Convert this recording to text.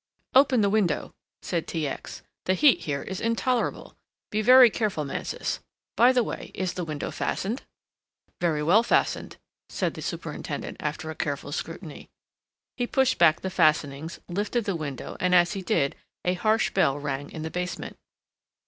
"Open the window," said T. X., "the heat here is intolerable. Be very careful, Mansus. By the way, is the window fastened?" "Very well fastened," said the superintendent after a careful scrutiny. He pushed back the fastenings, lifted the window and as he did, a harsh bell rang in the basement.